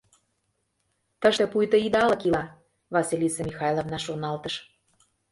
«Тыште пуйто идалык ила», — Василиса Михайловна шоналтыш.